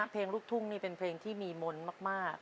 เพลงลูกทุ่งนี่เป็นเพลงที่มีมนต์มาก